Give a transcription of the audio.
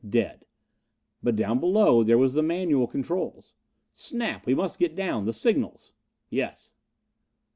Dead.... But down below there was the manual controls. "Snap, we must get down. The signals." "Yes."